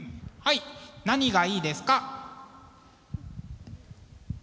はい何がいいですか？